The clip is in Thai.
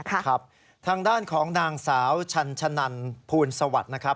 ทางด้านของนางสาวชันชนันพูลสวัสดิ์